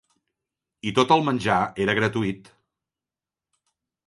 I tot el menjar era gratuït.